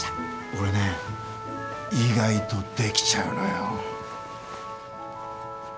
俺ね意外とできちゃうのよ。